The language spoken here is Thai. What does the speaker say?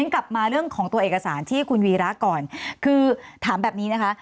กลับมาเรื่องของตัวเอกสารที่คุณวีระก่อนคือถามแบบนี้นะคะ